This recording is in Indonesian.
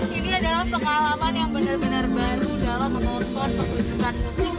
ini adalah pengalaman yang benar benar baru dalam menonton pertunjukan musik